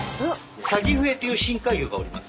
「サギフエ」という深海魚がおります。